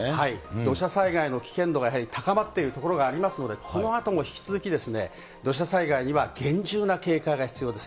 土砂災害の危険度がやはり高まっている所がありますので、このあとも引き続き、土砂災害には厳重な警戒が必要です。